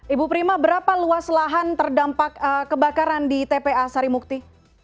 ibu prima berapa luas lahan terdampak kebakaran di tpa sarimukti